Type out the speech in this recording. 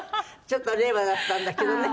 ちょっと令和だったんだけどね。